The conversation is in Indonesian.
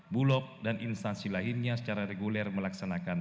bulog dan instansi lainnya secara reguler melaksanakan